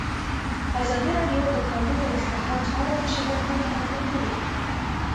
ازادي راډیو د د کانونو استخراج اړوند شکایتونه راپور کړي.